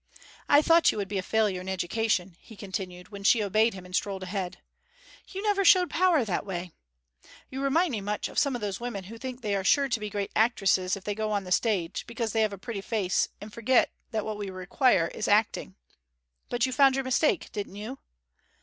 I thought you would be a failure in education,' he continued, when she obeyed him and strolled ahead. 'You never showed power that way. You remind me much of some of those women who think they are sure to be great actresses if they go on the stage, because they have a pretty face, and forget that what we require is acting. But you found your mistake, didn't you?'